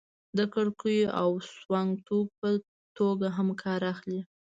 د کړکیو او سونګ توکو په توګه هم کار اخلي.